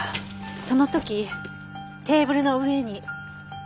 その時テーブルの上に。